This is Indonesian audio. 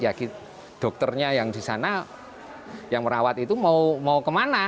jadi dokternya yang di sana yang merawat itu mau ke mana